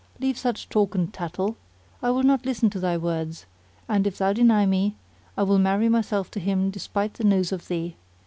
Leave such talk and tattle. I will not listen to thy words and, if thou deny me, I will marry myself to him despite the nose of thee.